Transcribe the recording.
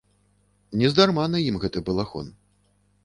Нездарма на ім гэты балахон.